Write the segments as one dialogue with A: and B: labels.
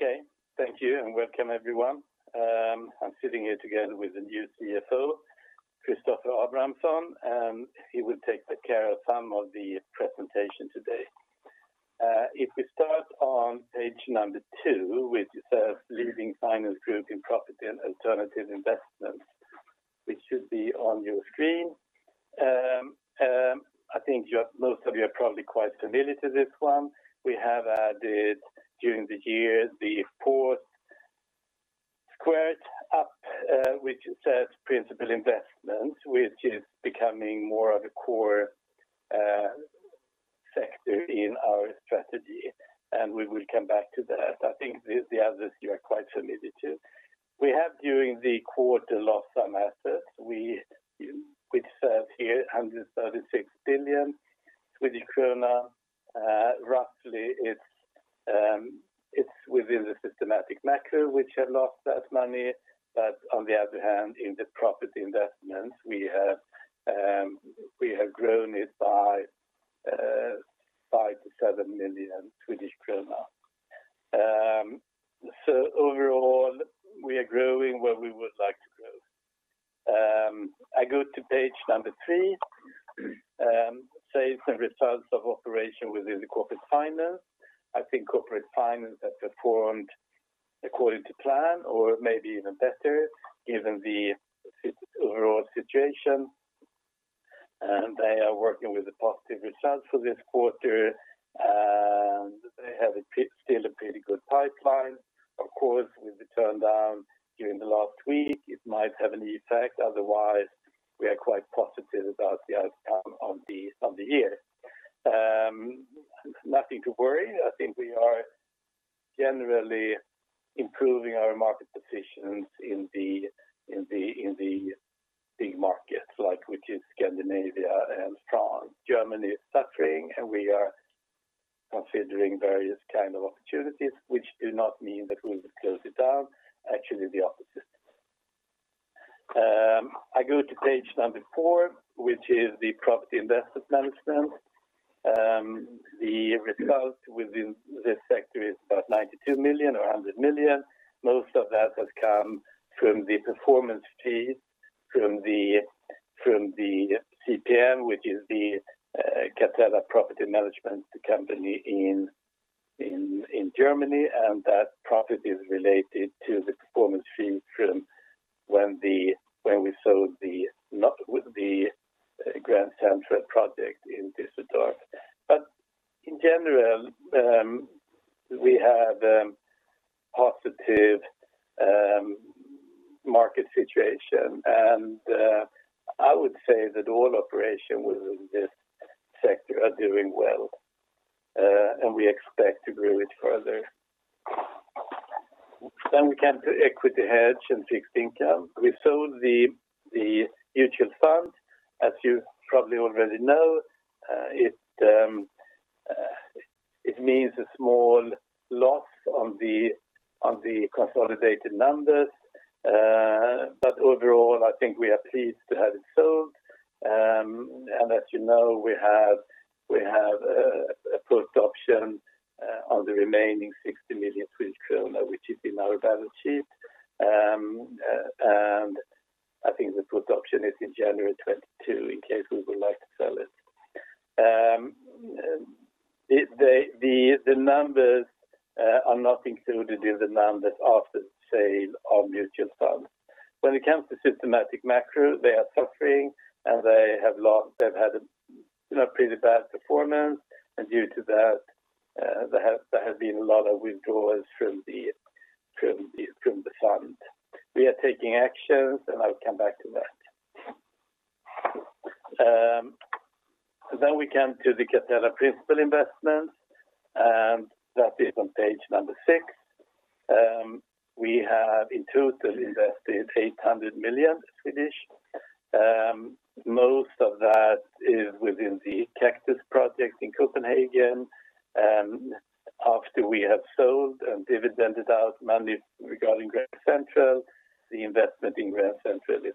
A: Okay, thank you, and welcome everyone. I'm sitting here together with the new CFO, Christoffer Abramson. He will take care of some of the presentation today. We start on page number two, which says, "Leading finance group in property and alternative investments," which should be on your screen. I think most of you are probably quite familiar to this one. We have added during the year the fourth squared up which says principal investments, which is becoming more of a core sector in our strategy, and we will come back to that. I think the others you are quite familiar to. We have, during the quarter, lost some assets. We observe here SEK 136 billion. Roughly, it's within the systematic macro which had lost us money. In the property investments, we have grown it by 5 million-7 million Swedish kronor. Overall, we are growing where we would like to grow. I go to page number three, says, "The results of operation within the Corporate Finance." I think Corporate Finance has performed according to plan or maybe even better given the overall situation. They are working with a positive result for this quarter. They have still a pretty good pipeline. Of course, with the turndown during the last week, it might have an effect. Otherwise, we are quite positive about the outcome of the year. Nothing to worry. I think we are generally improving our market positions in the big markets, like which is Scandinavia and strong. Germany is suffering. We are considering various kind of opportunities, which do not mean that we'll close it down. Actually, the opposite. I go to page number four, which is the Property Investment Management. The result within this sector is about 92 million or 100 million. Most of that has come from the performance fee from the CPM, which is the Catella Project Management company in Germany. That profit is related to the performance fee from when we sold the Grand Central project in Düsseldorf. In general, we have positive market situation. I would say that all operations within this sector are doing well. We expect to grow it further. We come to equity hedge and fixed income. We sold the mutual fund, as you probably already know. It means a small loss on the consolidated numbers. Overall, I think we are pleased to have it sold. As you know, we have a put option on the remaining SEK 60 million, which is in our balance sheet. I think the put option is in January 2022 in case we would like to sell it. The numbers are not included in the numbers after the sale of mutual fund. When it comes to systematic macro, they are suffering, and they've had a pretty bad performance. Due to that there have been a lot of withdrawals from the fund. We are taking actions, and I'll come back to that. We come to the Catella principal investments, and that is on page number six. We have in total invested 800 million. Most of that is within the Kaktus Towers project in Copenhagen. After we have sold and dividended out money regarding Grand Central, the investment in Grand Central is.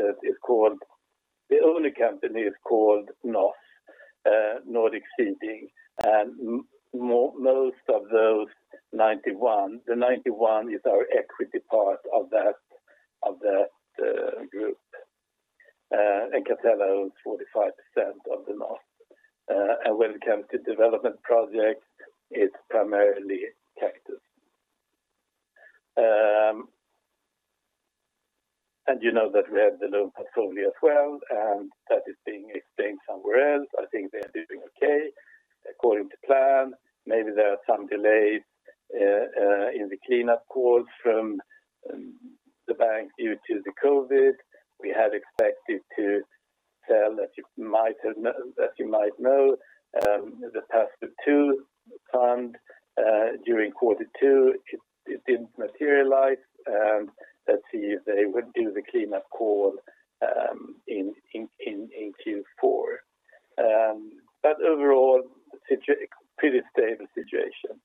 A: The owner company is called NOZ, Nordic Seed, and most of those 91%. The 91% is our equity part of that group. Catella owns 45% of the NOZ. When it comes to development project, it's primarily Kaktus. You know that we have the loan portfolio as well, that is being explained somewhere else. I think they are doing okay according to plan. Maybe there are some delays in the clean-up calls from the bank due to the COVID. We had expected to sell, as you might know, the Pastor Two fund during quarter two. It didn't materialize, let's see if they will do the clean-up call in Q4. Overall, pretty stable situation.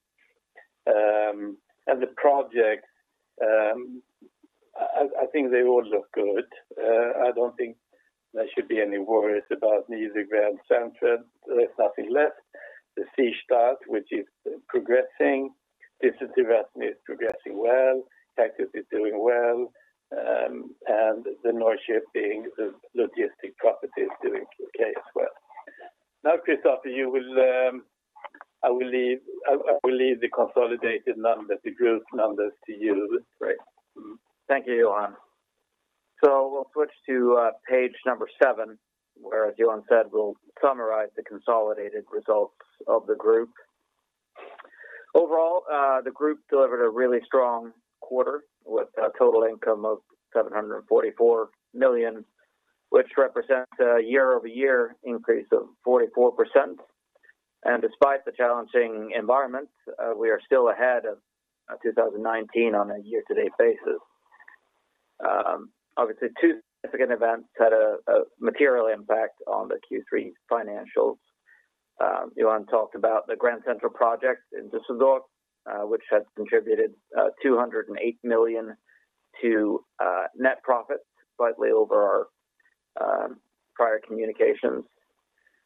A: The project, I think they all look good. I don't think there should be any worries about neither Grand Central. There's nothing left. The Seestadt, which is progressing. Düsseldorf is progressing well. Kaktus is doing well. The Nordship being the logistic property is doing okay as well. Now, Christoffer, I will leave the consolidated numbers, the group's numbers to you.
B: Great. Thank you, Johan. We'll switch to page number seven, where, as Johan said, we'll summarize the consolidated results of the group. Overall, the group delivered a really strong quarter with a total income of 744 million, which represents a year-over-year increase of 44%. Despite the challenging environment, we are still ahead of 2019 on a year-to-date basis. Obviously, two significant events had a material impact on the Q3 financials. Johan talked about the Grand Central project in Düsseldorf which has contributed 208 million to net profit, slightly over our prior communications,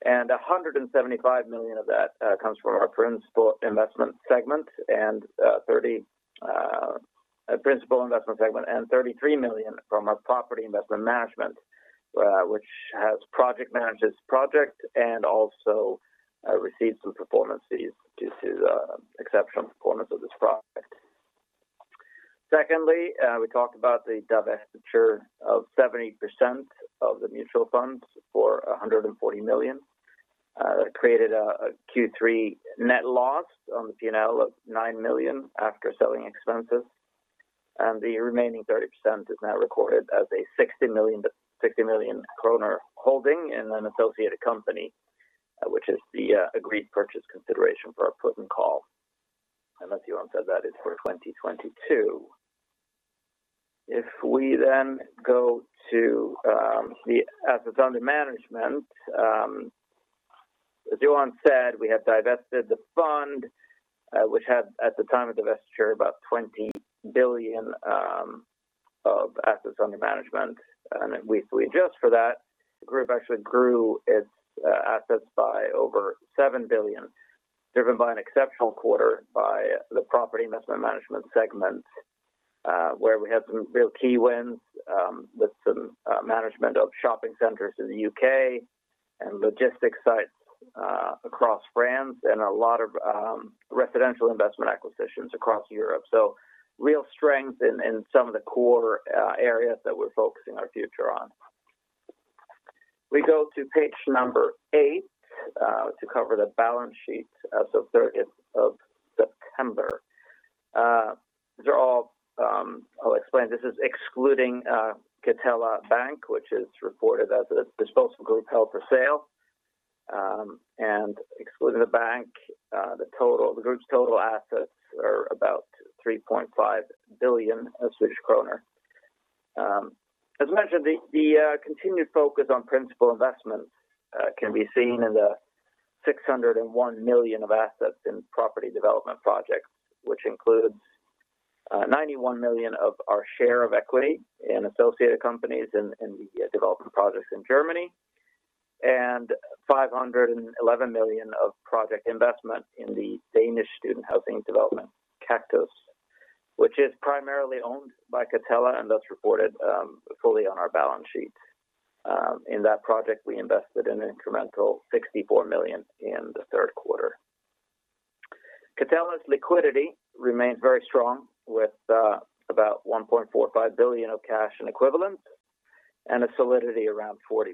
B: and 175 million of that comes from our principal investment segment and 33 million from our Property Investment Management, which has project managers project and also received some performance fees due to the exceptional performance of this project. Secondly, we talked about the divestiture of 70% of the mutual funds for 140 million. That created a Q3 net loss on the P&L of 9 million after selling expenses. The remaining 30% is now recorded as a 60 million kronor holding in an associated company, which is the agreed purchase consideration for our put and call. As Johan said, that is for 2022. If we then go to the assets under management, as Johan said, we have divested the fund, which had, at the time of divestiture, about 20 billion of assets under management. If we adjust for that, the group actually grew its assets by over 7 billion, driven by an exceptional quarter by the Property Investment Management segment, where we had some real key wins with some management of shopping centers in the U.K. and logistics sites across France and a lot of residential investment acquisitions across Europe. Real strength in some of the core areas that we're focusing our future on. We go to page number eight to cover the balance sheet as of 30th of September. Thereof, I'll explain. This is excluding Catella Bank, which is reported as a disposal group held for sale. Excluding the bank, the group's total assets are about 3.5 billion. As mentioned, the continued focus on principal investments can be seen in the 601 million of assets in property development projects, which includes 91 million of our share of equity in associated companies in the development projects in Germany and 511 million of project investment in the Danish student housing development, Kaktus, which is primarily owned by Catella and thus reported fully on our balance sheet. In that project, we invested an incremental 64 million in the third quarter. Catella's liquidity remained very strong with about 1.45 billion of cash in equivalent and a solidity around 40%.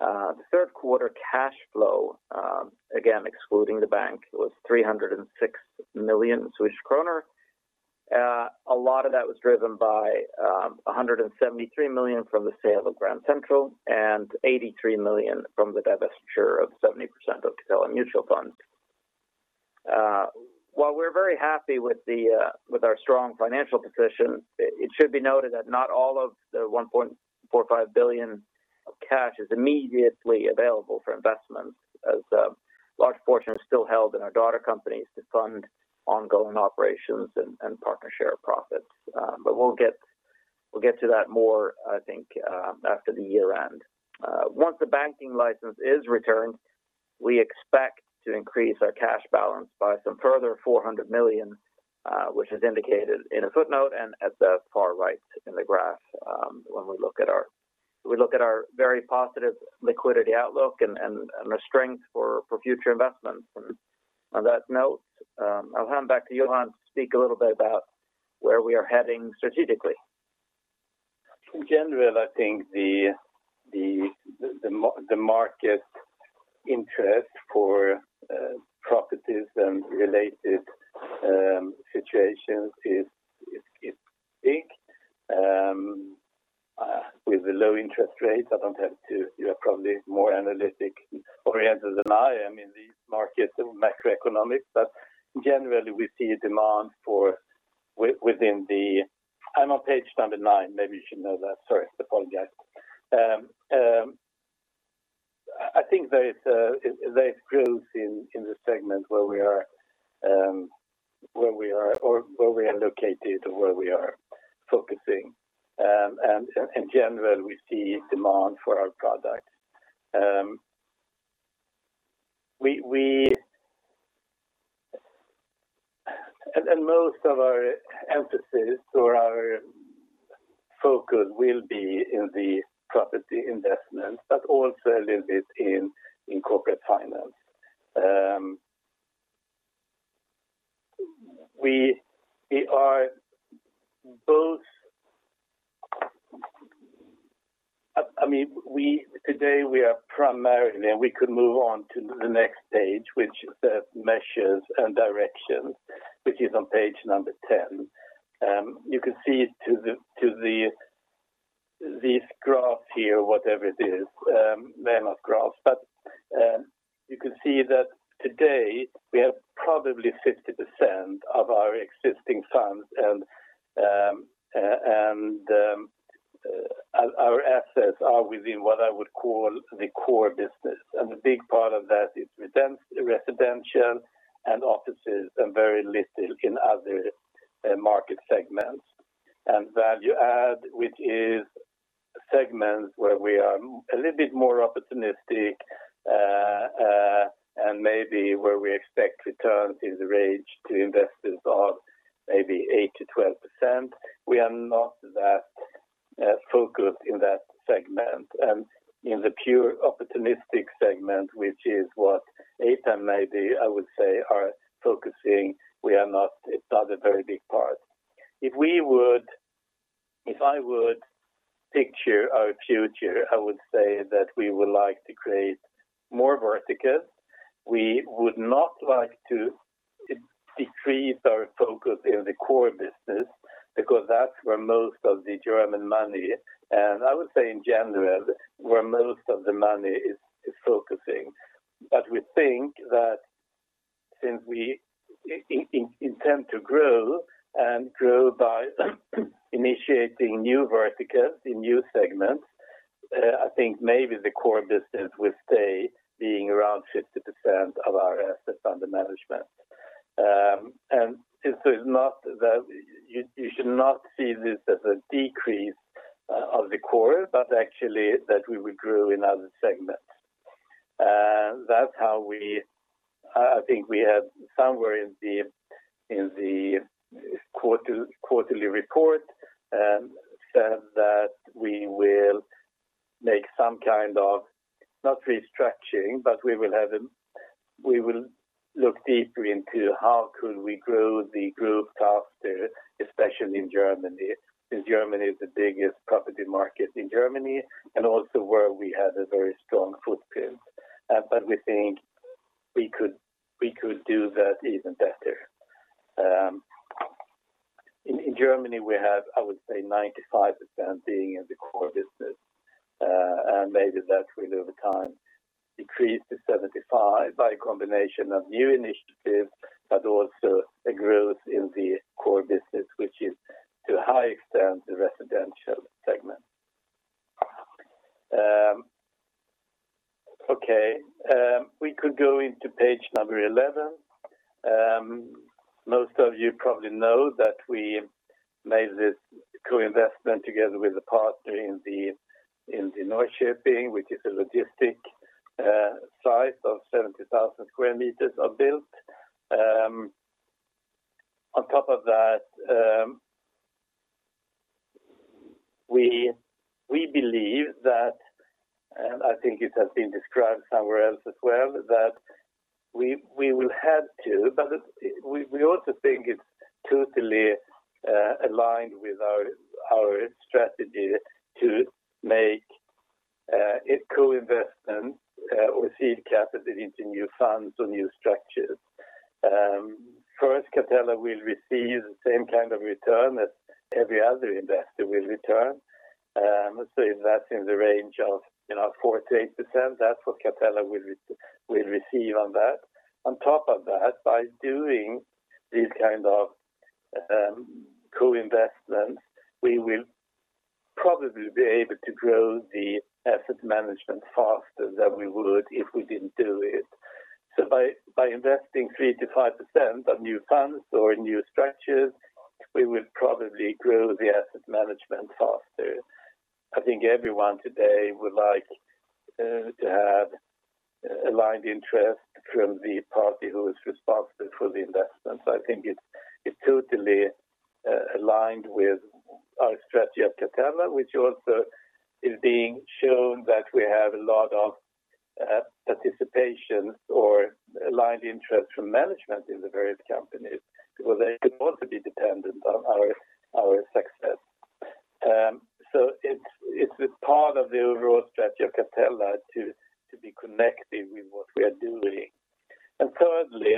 B: The third quarter cash flow, again excluding the bank, was SEK 306 million. A lot of that was driven by SEK 173 million from the sale of Grand Central and SEK 83 million from the divestiture of 70% of Catella Mutual Fund. While we're very happy with our strong financial position, it should be noted that not all of the 1.45 billion of cash is immediately available for investment as a large portion is still held in our daughter companies to fund ongoing operations and partner share profits. We'll get to that more, I think, after the year-end. Once the banking license is returned, we expect to increase our cash balance by some further 400 million, which is indicated in a footnote and at the far right in the graph when we look at our very positive liquidity outlook and the strength for future investments. On that note, I will hand back to Johan to speak a little bit about where we are heading strategically.
A: In general, I think the market interest for properties and related situations is big. With the low interest rates, you are probably more analytic oriented than I am in the market of macroeconomics. Generally, we see a demand for within the, I'm on page number nine. Maybe you should know that. Sorry, I apologize. I think there is growth in the segment where we are located or where we are focusing. In general, we see demand for our product. Most of our emphasis or our focus will be in the Property Investment, but also a little bit in Corporate Finance. We could move on to the next page, which is the measures and direction, which is on page number 10. You can see to these graphs here, whatever it is. They're not graphs, but you can see that today we have probably 50% of our existing funds and our assets are within what I would call the core business. A big part of that is residential and offices, and very little in other market segments. Value add, which is segments where we are a little bit more opportunistic, and maybe where we expect returns in the range to investors of maybe 8%-12%. We are not that focused in that segment. In the pure opportunistic segment, which is what Aton maybe, I would say, are focusing, it's not a very big part. If I would picture our future, I would say that we would like to create more verticals. We would not like to decrease our focus in the core business because that's where most of the German money, and I would say in general, where most of the money is focusing. We think that since we intend to grow and grow by initiating new verticals in new segments, I think maybe the core business will stay being around 50% of our assets under management. You should not see this as a decrease of the core, but actually that we would grow in other segments. I think we have somewhere in the quarterly report said that we will make some kind of, not restructuring, but we will look deeper into how could we grow the growth faster, especially in Germany, since Germany is the biggest property market in Germany, and also where we have a very strong footprint. We think we could do that even better. In Germany, we have, I would say 95% being in the core business. Maybe that will over time decrease to 75% by a combination of new initiatives, but also a growth in the core business, which is to a high extent the residential segment. Okay. We could go into page number 11. Most of you probably know that we made this co-investment together with a partner in the Nordshiping, which is a logistic site of 70,000 sq m of built. On top of that, we believe that, and I think it has been described somewhere else as well, but we also think it's totally aligned with our strategy to make co-investments or seed capital into new funds or new structures. First, Catella will receive the same kind of return that every other investor will return. That's in the range of 4%-8%. That's what Catella will receive on that. On top of that, by doing this kind of co-investment, we will probably be able to grow the asset management faster than we would if we didn't do it. By investing 3%-5% on new funds or new structures, we will probably grow the asset management faster. I think everyone today would like to have aligned interest from the party who is responsible for the investment. I think it's totally aligned with our strategy at Catella, which also is being shown that we have a lot of participation or aligned interest from management in the various companies because they could also be dependent on our success. It's a part of the overall that you can tell that you may be connected of what we are doing. Thirdly,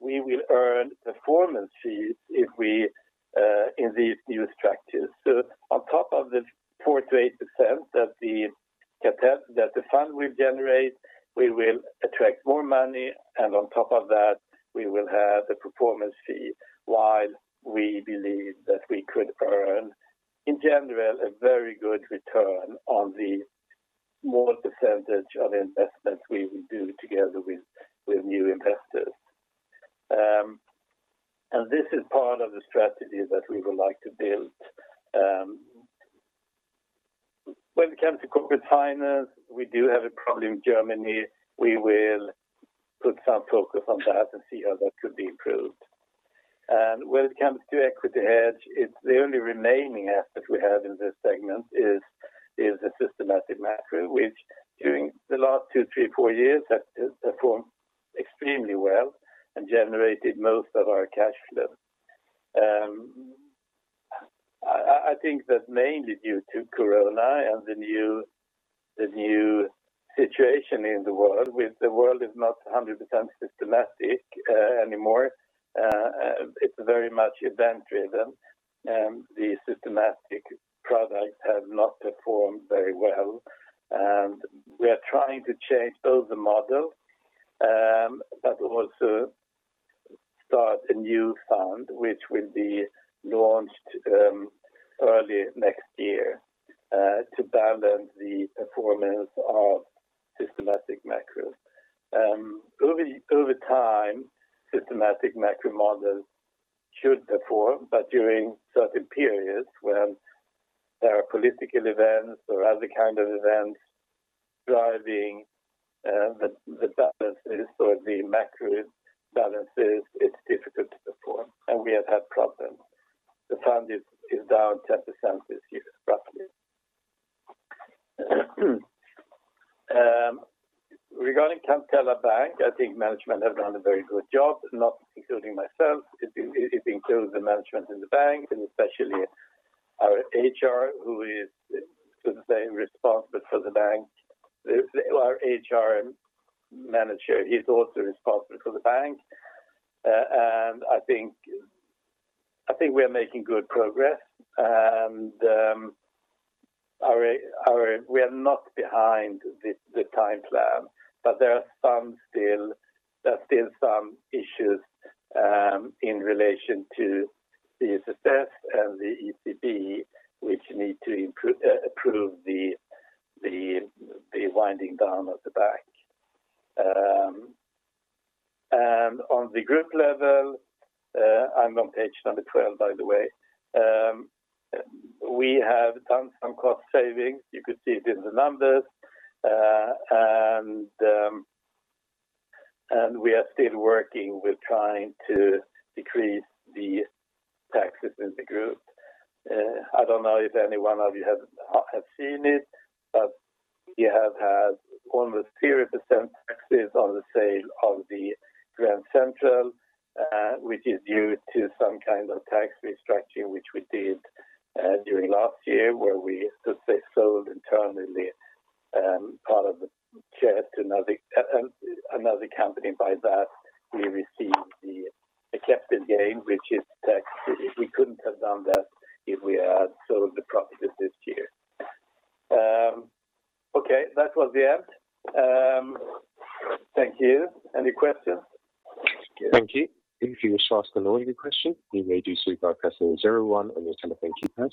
A: we will earn performance fees in these new structures. On top of the 4%-8% that the fund will generate, we will attract more money, and on top of that, we will have the performance fee while we believe that we could earn, in general, a very good return on the small percentage of investments we will do together with new investors. This is part of the strategy that we would like to build. When it comes to Corporate Finance, we do have a problem in Germany. We will put some focus on that and see how that could be improved. When it comes to equity hedge, the only remaining asset we have in this segment is the systematic macro, which during the last two, three, four years has performed extremely well and generated most of our cash flow. I think that's mainly due to COVID and the new situation in the world. The world is not 100% systematic anymore. It's very much event-driven. The systematic products have not performed very well, and we are trying to change both the model, but also start a new fund which will be launched early next year to balance the performance of systematic macro. Over time, systematic macro models should perform, but during certain periods when there are political events or other kind of events driving the balances or the macro balances, it's difficult to perform, and we have had problems. The fund is down 10% this year, roughly. Regarding Catella Bank, I think management have done a very good job, not including myself. It includes the management in the bank and especially our HR, who is, so to say, responsible for the bank. Our HR manager, he's also responsible for the bank. I think we are making good progress. We are not behind the time plan, but there are still some issues in relation to the SSM and the ECB which need to approve the winding down of the bank. On the group level, I'm on page number 12, by the way, we have done some cost savings. You could see it in the numbers. We are still working with trying to decrease the taxes in the group. I don't know if any one of you have seen it, but we have had almost 0% taxes on the sale of the Grand Central, which is due to some kind of tax restructuring which we did during last year, where we, so to say, sold internally part of the shares to another company. By that, we received the capital gain, which is taxed. We couldn't have done that if we had sold the properties this year. Okay, that was the end. Thank you. Any questions?
C: Thank you. If you wish to ask an audio question, you may do so by pressing zero one on your telephone keypad.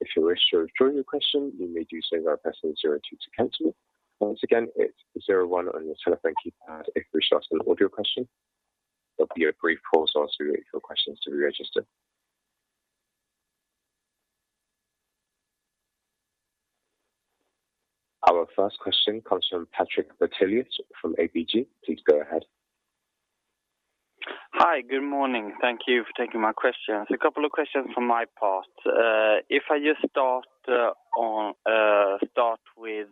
C: If you wish to withdraw your question, you may do so by pressing zero two to cancel. Once again, it's zero one on your telephone keypad if you wish to ask an audio question. There'll be a brief pause whilst we wait for questions to be registered. Our first question comes from Patrik Brattelius from ABG. Please go ahead.
D: Hi. Good morning. Thank you for taking my questions. A couple of questions from my part. If I just start with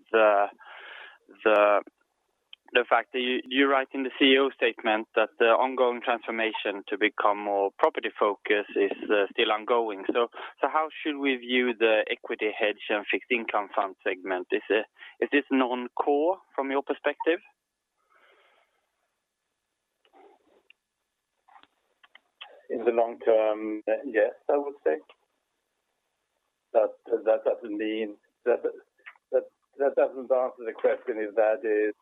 D: the fact that you write in the CEO statement that the ongoing transformation to become more property focused is still ongoing. How should we view the equity hedge and fixed income fund segment? Is this non-core from your perspective?
A: In the long term, yes, I would say. That doesn't answer the question if that is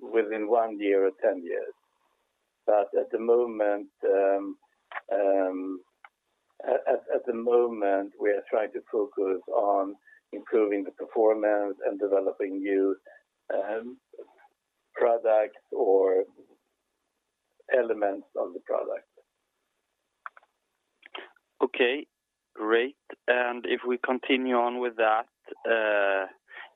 A: within one year or 10 years. At the moment we are trying to focus on improving the performance and developing new products or elements of the product.
D: Okay, great. If we continue on with that,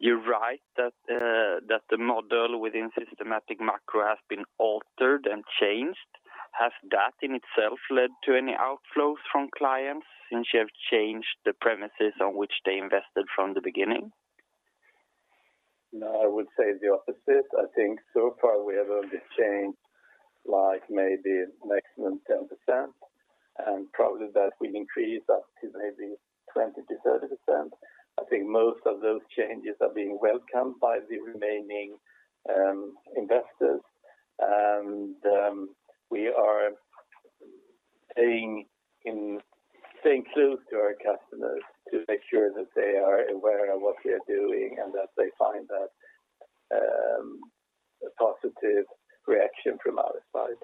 D: you write that the model within systematic macro has been altered and changed. Has that in itself led to any outflows from clients since you have changed the premises on which they invested from the beginning?
A: No, I would say the opposite. I think so far we have only changed maybe maximum 10%, and probably that will increase up to maybe 20%-30%. I think most of those changes are being welcomed by the remaining investors, and we are staying close to our customers to make sure that they are aware of what we are doing and that they find that a positive reaction from our side.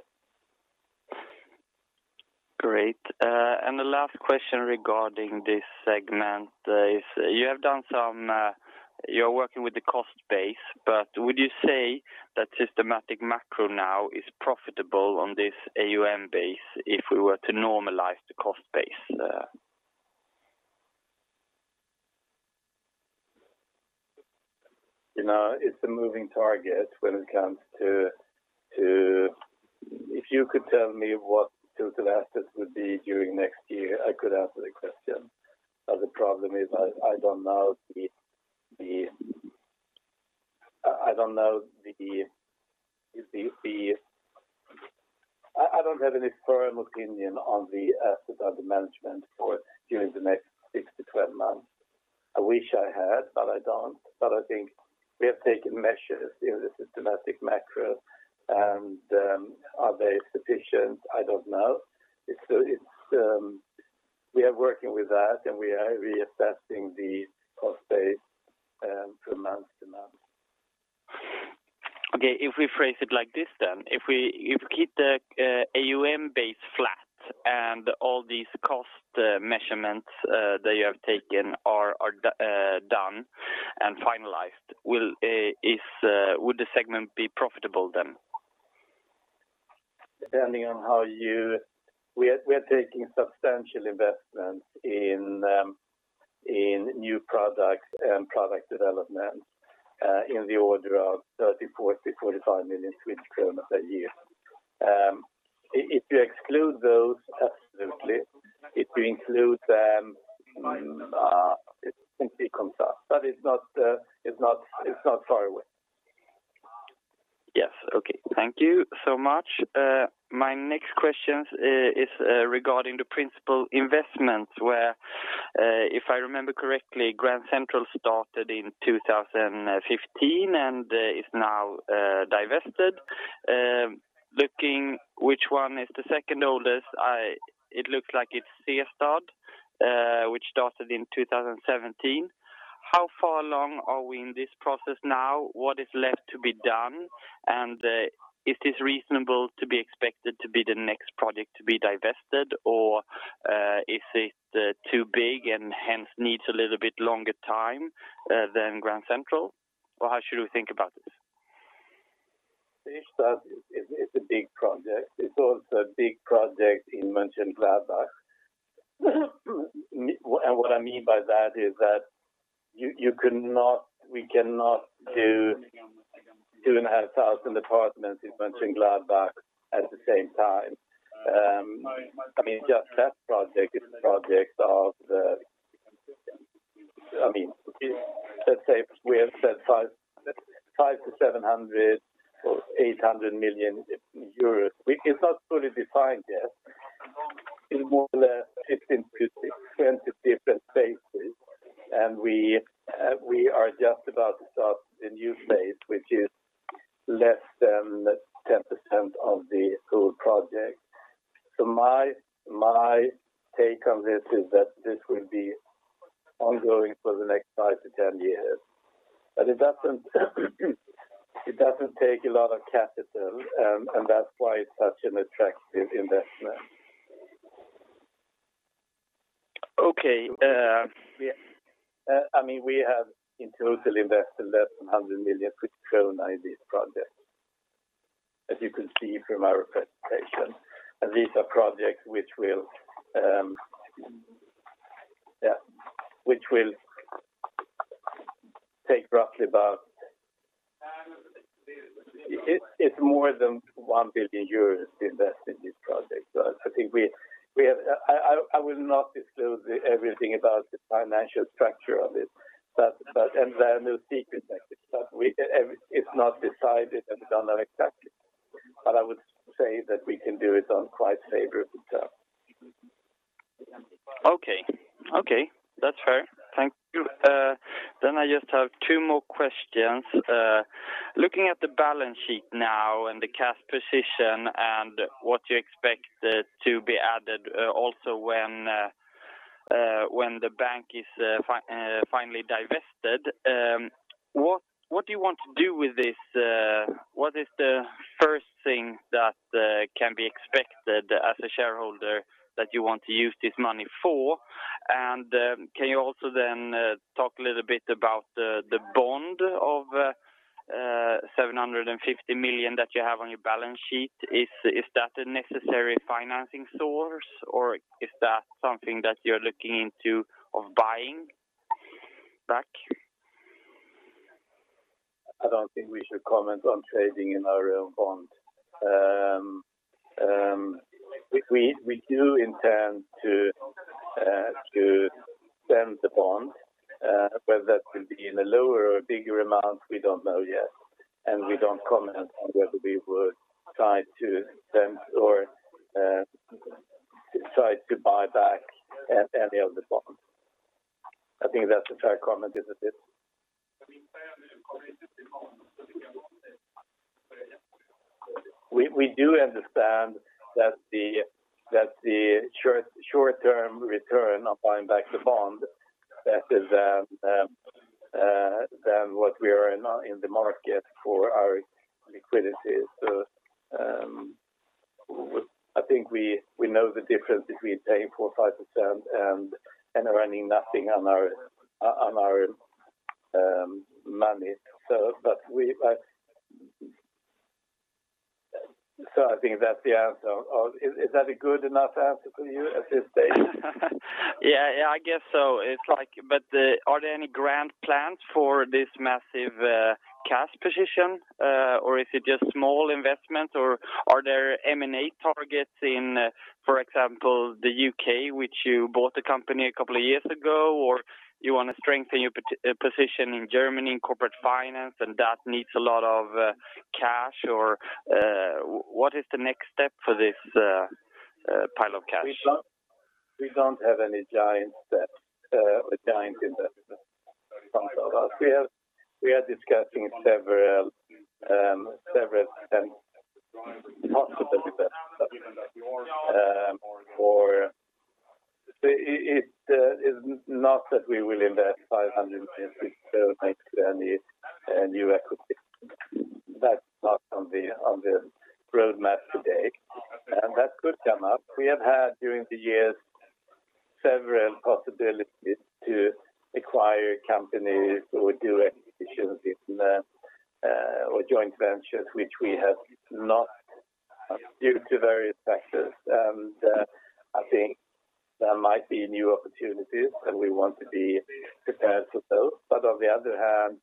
D: Great. The last question regarding this segment is you're working with the cost base, but would you say that systematic macro now is profitable on this AUM base if we were to normalize the cost base?
A: It's a moving target when it comes to, if you could tell me what total assets would be during next year, I could answer the question. The problem is I don't have any firm opinion on the assets under management for during the next 6-12 months. I wish I had, but I don't. I think we have taken measures in the systematic macro and are they sufficient? I don't know. We are working with that, and we are reassessing the cost base from month to month.
D: Okay. If we phrase it like this then, if we keep the AUM base flat and all these cost measurements that you have taken are done and finalized, would the segment be profitable then?
A: We are taking substantial investments in new products and product development in the order of 30 million, 40 million, 45 million Swedish kronor per year. If you exclude those, absolutely. If you include them, it simply comes up. It's not far away.
D: Yes. Okay. Thank you so much. My next question is regarding the principal investments, where if I remember correctly, Grand Central started in 2015 and is now divested. Looking which one is the second oldest, it looks like it's Seestadt, which started in 2017. How far along are we in this process now? What is left to be done? Is this reasonable to be expected to be the next project to be divested, or is it too big and hence needs a little bit longer time than Grand Central? How should we think about this?
A: Seestadt is a big project. It is also a big project in Mönchengladbach. What I mean by that is that we cannot do 2,500 apartments in Mönchengladbach at the same time. Just that project is a project of, let's say we have said 500 million-700 million or 800 million euros. It is not fully defined yet. It is more or less 15 to 20 different phases, and we are just about to start the new phase, which is less than 10% of the whole project. My take on this is that this will be ongoing for the next 5-10 years. It does not take a lot of capital, and that is why it is such an attractive investment.
D: Okay.
A: Yea. I mean we have in total invested less than 100 million in this project, as you can see from our presentation. These are projects which will take more than 1 billion euros to invest in this project. I will not disclose everything about the financial structure of it, and there are no secrets there. It's not decided and done and exactly, but I would say that we can do it on quite favorable terms.
D: Okay. Okay. That's fair. Thank you. I just have two more questions. Looking at the balance sheet now and the cash position and what you expect to be added also when the bank is finally divested, what do you want to do with this? What is the first thing that can be expected as a shareholder that you want to use this money for? Can you also then talk a little bit about the bond of 750 million that you have on your balance sheet? Is that a necessary financing source, or is that something that you're looking into of buying back?
A: I don't think we should comment on trading in our own bond. We do intend to stem the bond, whether that will be in a lower or bigger amount, we don't know yet, and we don't comment on whether we would try to stem or decide to buy back any of the bonds. I think that's a fair comment, isn't it? We do understand that the short-term return of buying back the bond, that is rather than what we are in the market for our liquidity. I think we know the difference between paying 4% or 5% and earning nothing on our money. I think that's the answer. Is that a good enough answer for you at this stage?
D: Yeah, I guess so. Are there any grand plans for this massive cash position or is it just small investments or are there M&A targets in, for example, the U.K. which you bought the company a couple of years ago or you want to strengthen your position in Germany in Corporate Finance and that needs a lot of cash or what is the next step for this pile of cash?
A: We don't have any giant investments from Catella. We are discussing several possible investments, but it's not that we will invest 500 million next year in new equity. That's not on the roadmap today. That could come up. We have had during the years several possibilities to acquire companies or do acquisitions in or joint ventures which we have not due to various factors. I think there might be new opportunities and we want to be prepared for those. On the other hand,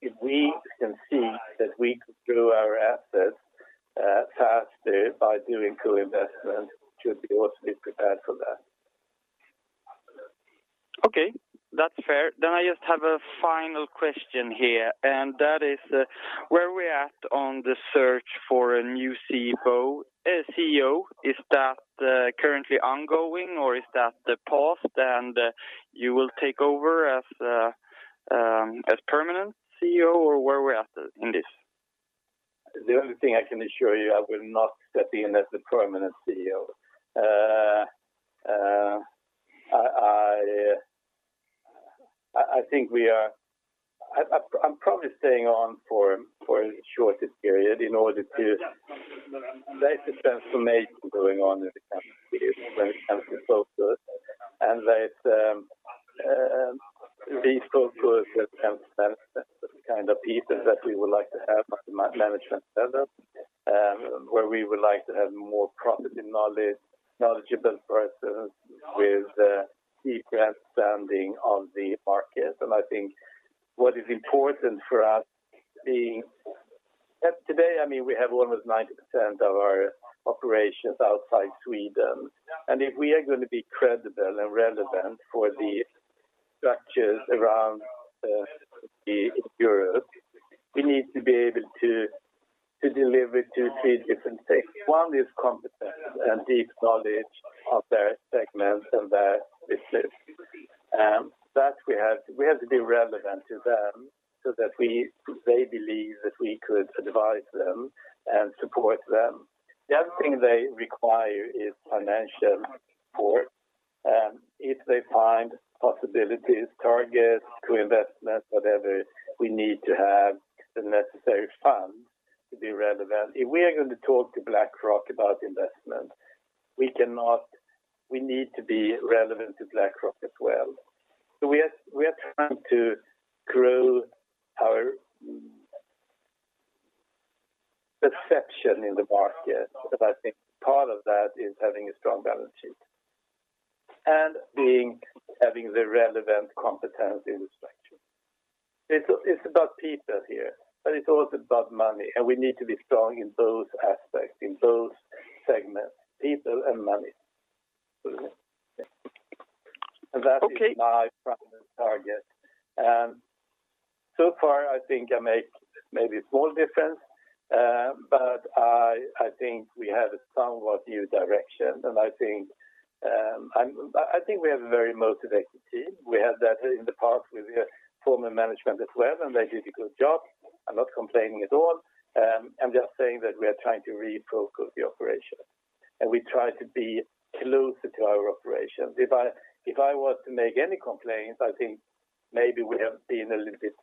A: if we can see that we could grow our assets faster by doing co-investment should be also be prepared for that.
D: Okay. That's fair. I just have a final question here and that is where are we at on the search for a new CEO? Is that currently ongoing or is that paused and you will take over as permanent CEO or where are we at in this?
A: The only thing I can assure you, I will not stepping in as the permanent CEO. I'm probably staying on for the shortest period. There is a transformation going on in the company which has been so good and that these folks are the kind of people that we would like to have on the management level where we would like to have more properly knowledgeable persons with deep understanding of the market. I think what is important for us being. Today, I mean we have almost 90% of our operations outside Sweden and if we are going to be credible and relevant for the structures around Europe, we need to be able to deliver two, three different things. One is competence and deep knowledge of their segments and their business. We have to be relevant to them so that they believe that we could advise them and support them. The other thing they require is financial support. If they find possibilities, targets, co-investments, whatever, we need to have the necessary funds to be relevant. If we are going to talk to BlackRock about investment, we need to be relevant to BlackRock as well. We are trying to grow our perception in the market, but I think part of that is having a strong balance sheet and having the relevant competence in the structure. It's about people here, but it's also about money and we need to be strong in both aspects, in both segments, people and money.
D: Okay.
A: That is my primary target. So far I think I make maybe a small difference, but I think we have a somewhat new direction and I think we have a very motivated team. We had that in the past with the former management as well and they did a good job. I'm not complaining at all. I'm just saying that we are trying to refocus the operation and we try to be closer to our operations. If I was to make any complaints, I think maybe we have been a little bit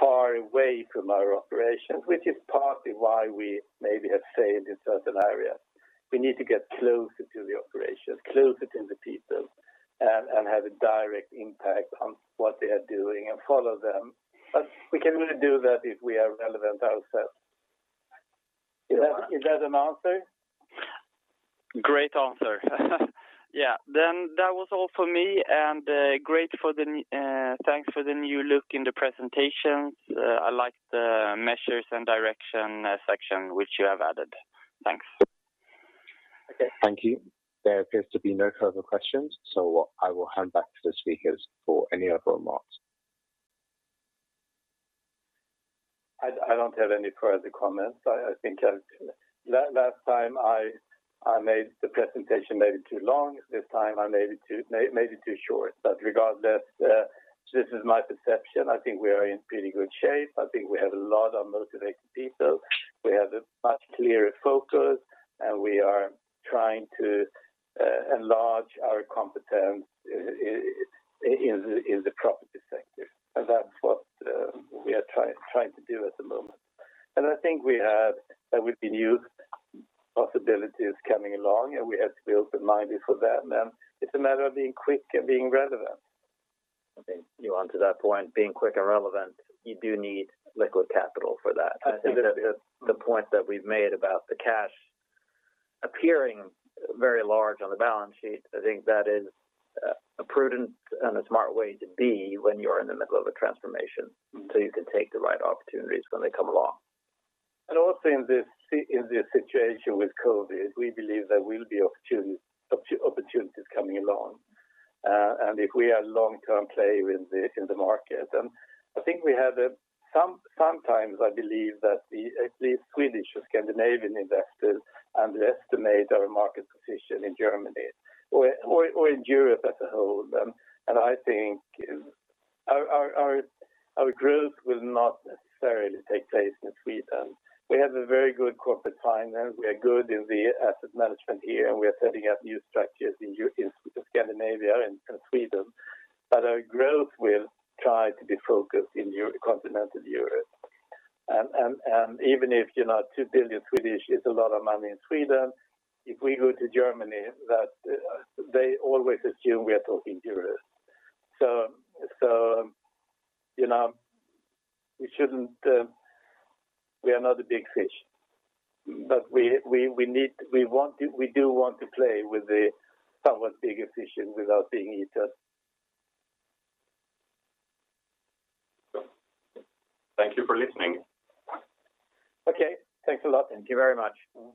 A: far away from our operations which is partly why we maybe have failed in certain areas. We need to get closer to the operations, closer to the people and have a direct impact on what they are doing and follow them. We can only do that if we are relevant ourselves. Is that an answer?
D: Great answer. Yeah. That was all for me and thanks for the new look in the presentations. I like the measures and direction section which you have added. Thanks.
A: Okay.
C: Thank you. There appears to be no further questions so I will hand back to the speakers for any other remarks.
A: I don't have any further comments. I think last time I made the presentation maybe too long. This time I made it too short. Regardless, this is my perception. I think we are in pretty good shape. I think we have a lot of motivated people. We have a much clearer focus. We are trying to enlarge our competence in the property sector. That's what we are trying to do at the moment. I think we have new possibilities coming along, and we have to be open-minded for that. It's a matter of being quick and being relevant.
B: Okay. On to that point, being quick and relevant, you do need liquid capital for that.
A: I think that.
B: The point that we've made about the cash appearing very large on the balance sheet, I think that is a prudent and a smart way to be when you're in the middle of a transformation, so you can take the right opportunities when they come along.
A: Also in this, speaking of this situation with COVID, we believe there will be opportunities coming along, if we are long-term player in the market. Sometimes I believe that the Swedish or Scandinavian investors underestimate our market position in Germany or in Europe as a whole. I think our growth will not necessarily take place in Sweden. We have a very good Corporate Finance. We are good in the asset management here, and we are setting up new structures in Scandinavia and Sweden. Our growth will try to be focused in continental Europe. Even if 2 billion is a lot of money in Sweden, if we go to Germany, they always assume we are talking Europe. We are not a big fish, but we do want to play with the somewhat bigger fish without being eaten.
C: Thank you for listening.
A: Okay. Thanks a lot.
B: Thank you very much.